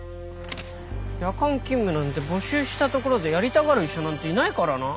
夜間勤務なんて募集したところでやりたがる医者なんていないからな。